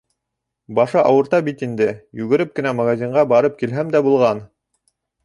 Башы ауырта бит инде, йүгереп кенә магазинға барып килһәм дә булған.